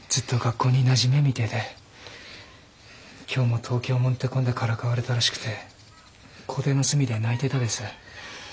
今日も東京もんってこんでからかわれたらしくて校庭の隅で泣いてたです。